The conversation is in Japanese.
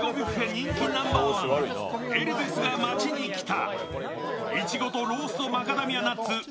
人気ナンバーワン、「エルビスが街に来た！」。